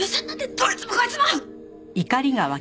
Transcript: どいつもこいつも！